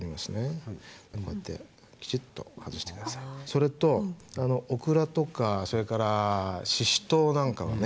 それとオクラとかそれからシシトウなんかはね